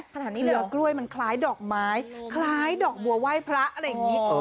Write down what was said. ขนาดนี้เหลือกล้วยมันคล้ายดอกไม้คล้ายดอกบัวไหว้พระอะไรอย่างนี้